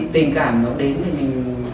tình cảm nó đến thì mình